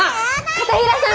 片平さん。